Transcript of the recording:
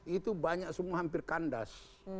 itu banyak semua hampir kandas